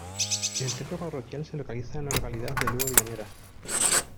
El templo parroquial se localiza en la localidad de Lugo de Llanera.